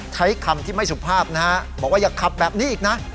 ใช้คำที่ไม่สุภาพนะฮะบอกว่าอย่าขับแบบนี้อีกนะ